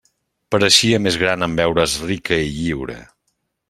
Pareixia més gran en veure's rica i lliure.